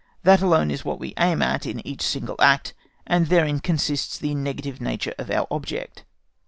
That alone is what we aim at in each single act, and therein consists the negative nature of our object.